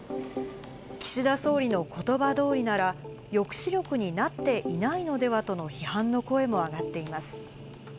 岸田総理のコトバどおりなら、抑止力になっていないのではとの批判の声も上がっています。